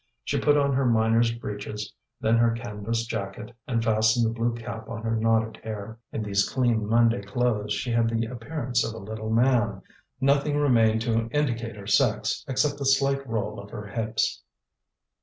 She put on her miner's breeches, then her canvas jacket, and fastened the blue cap on her knotted hair; in these clean Monday clothes she had the appearance of a little man; nothing remained to indicate her sex except the slight roll of her hips.